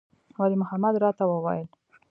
ولي محمد راته وويل.